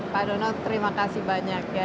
pak dono terima kasih banyak